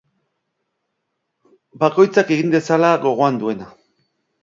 Bakoitzak egin dezala gogoan duena.